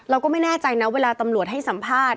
เราก็ไม่แน่ใจนะเวลาตำรวจให้สัมภาษณ์